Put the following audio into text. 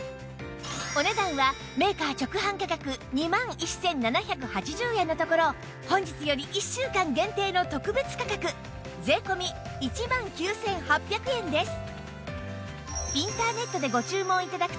お値段はメーカー直販価格２万１７８０円のところ本日より１週間限定の特別価格税込１万９８００円です